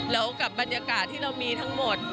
แล้วกับบรรยากาศที่เรามีทั้งหมด